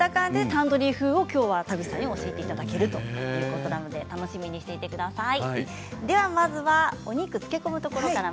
タンドリー風チキン、田口さんに教えていただけるということで楽しみにしてください